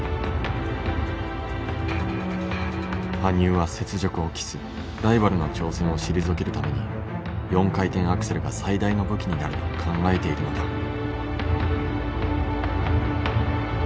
羽生は雪辱を期すライバルの挑戦を退けるために４回転アクセルが最大の武器になると考えているのだ。